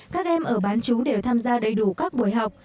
các em ở bán chú đều tham gia đầy đủ các buổi học